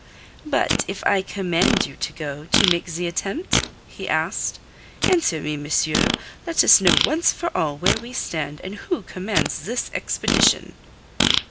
"But if I command you to go to make the attempt?" he asked. "Answer me, monsieur, let us know once for all where we stand, and who commands this expedition."